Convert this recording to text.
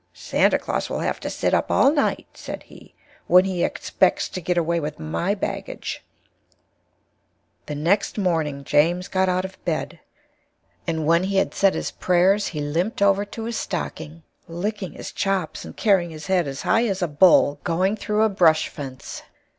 Santa Claus will Have to Sit up all Night, said He, when he Expects to get away with my Baggage. The next morning James got out of Bed and when He had Said his Prayers he Limped over to his Stocking, licking his chops and Carrying his Head as High as a Bull going through a Brush Fence.